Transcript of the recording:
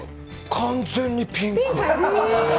完全にピンク。